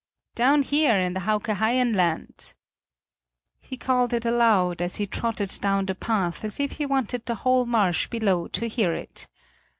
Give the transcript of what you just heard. "Down here, in the Hauke Haien land." He called it aloud, as he trotted down the path, as if he wanted the whole marsh below to hear it.